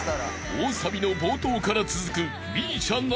［大サビの冒頭から続く］